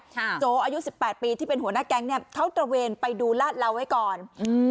โจอายุสิบแปดปีที่เป็นหัวหน้าแก๊งเนี้ยเขาตระเวนไปดูลาดเหลาไว้ก่อนอืม